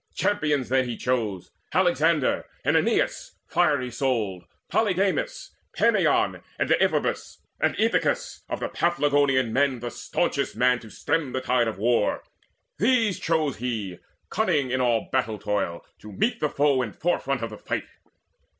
Champions then he chose, Alexander and Aeneas fiery souled, Polydamas, Pammon, and Deiphobus, And Aethicus, of Paphlagonian men The staunchest man to stem the tide of war; These chose he, cunning all in battle toil, To meet the foe in forefront of the fight.